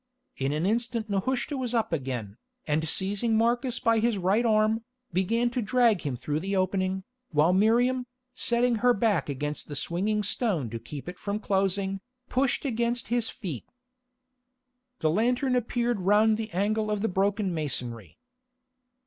In an instant Nehushta was up again, and seizing Marcus by his right arm, began to drag him through the opening, while Miriam, setting her back against the swinging stone to keep it from closing, pushed against his feet. The lantern appeared round the angle of the broken masonry.